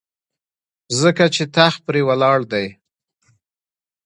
ځکه چې تخت پرې ولاړ دی.